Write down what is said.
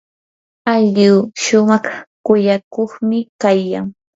ayllua shumaq kuyakuqmi kayan.